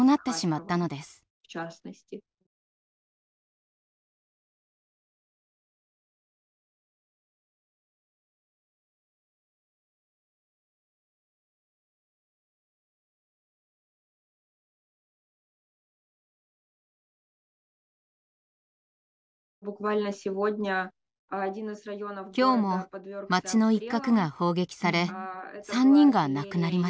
今日も町の一角が砲撃され３人が亡くなりました。